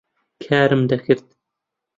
کارم دەکرد.